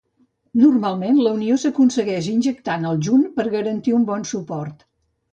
Normalment, la unió s'aconsegueix injectant el junt per garantir un bon suport.